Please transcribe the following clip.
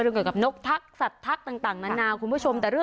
เรื่องกับนกทักสัตว์ทักต่างนั้นนะคุณผู้ชม